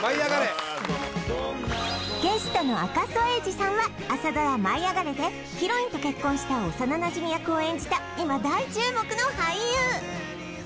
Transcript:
ゲストの赤楚衛二さんは朝ドラ「舞いあがれ！」でヒロインと結婚した幼なじみ役を演じた今大注目の俳優！